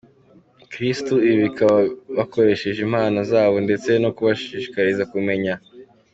Kristu, ibi bikaba bakoresheje impano zabo ndetse no kubashishikariza kumenya.